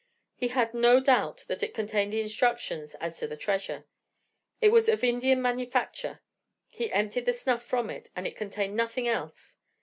He had no doubt that it contained the instructions as to the treasure. It was of Indian manufacture. He emptied the snuff from it, but it contained nothing else.